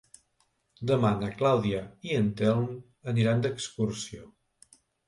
Demà na Clàudia i en Telm aniran d'excursió.